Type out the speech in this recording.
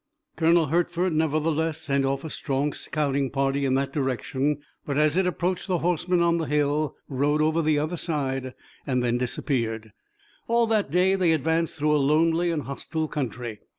Colonel Hertford, nevertheless, sent off a strong scouting party in that direction, but as it approached the horseman on the hill rode over the other side and disappeared. All that day they advanced through a lonely and hostile country.